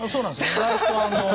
意外と。